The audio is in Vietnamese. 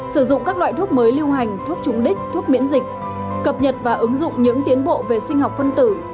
sử dụng các loại thuốc mới lưu hành thuốc chống đích thuốc miễn dịch cập nhật và ứng dụng những tiến bộ về sinh học phân tử